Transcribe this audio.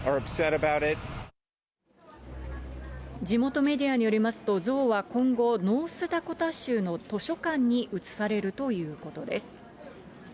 地元メディアによりますと、像は今後、ノースダコタ州の図書館に移されるということです。